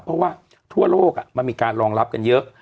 เพราะว่าทั่วโลกมันมีการรองรับกันเยอะ